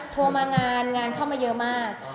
โทรมางานงานเข้ามาเยอะมาก